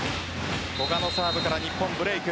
古賀のサーブから日本ブレーク。